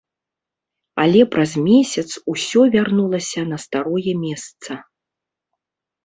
Але праз месяц усё вярнулася на старое месца.